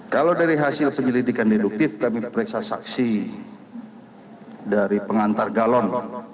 kalau dari hasil penyelidikan deduktif kami periksa saksi dari pengantar galon